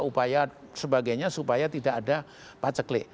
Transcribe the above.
upaya sebagainya supaya tidak ada paceklik